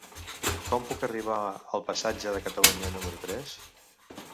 Com puc arribar al passatge de Catalunya número tres?